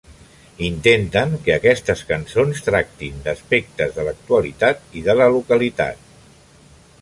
Intenten que aquestes cançons tractin d’aspectes de l'actualitat i de la localitat.